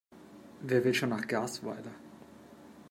Wer will schon nach Garzweiler?